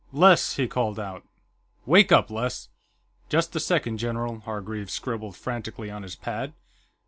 "Les!" he called out. "Wake up, Les!" "Just a second, general." Hargreaves scribbled frantically on his pad.